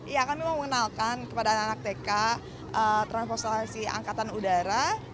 ya kan mau mengenalkan kepada anak tk transformasi angkatan udara